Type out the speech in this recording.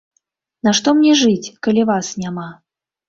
Нашто мне жыць, калі вас няма!